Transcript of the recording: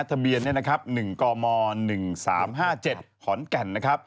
ทะเบียน๑กม๑๓๕๗ขอนแก่น